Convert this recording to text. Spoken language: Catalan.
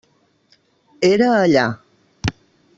Era allà.